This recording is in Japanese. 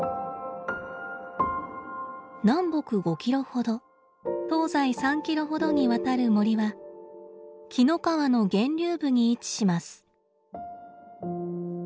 南北５キロほど東西３キロほどにわたる森は紀の川の源流部に位置します。